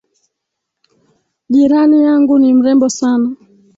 Jirani yangu ni mrembo sana.